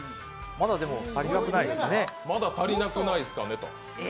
まだでも、足りなくないですかね？